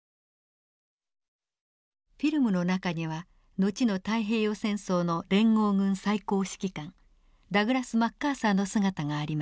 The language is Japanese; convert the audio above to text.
フィルムの中には後の太平洋戦争の連合軍最高指揮官ダグラス・マッカーサーの姿がありました。